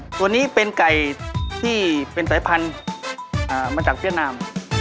ตัวนี้เป็นไก่ที่เป็นสายพันธุ์มาจากเวียดนาม